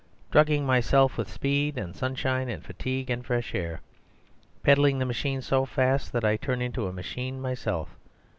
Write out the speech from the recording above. Drugging myself with speed, and sunshine, and fatigue, and fresh air. Pedalling the machine so fast that I turn into a machine myself.